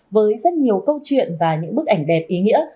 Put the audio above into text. với rất nhiều câu chuyện và những bức ảnh đẹp ý nghĩa